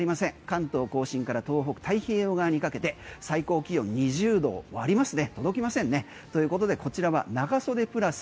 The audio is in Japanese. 関東甲信から東北太平洋側にかけて最高気温２０度割りますね届きませんね。ということでこちらは長袖プラス